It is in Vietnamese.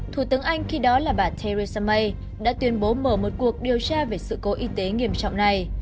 thủ tướng anh khi đó là bà theresa may đã tuyên bố mở một cuộc điều tra về sự cố y tế nghiêm trọng này